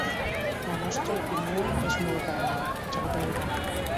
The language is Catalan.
La nostra opinió és molt bona, ja ho veurà.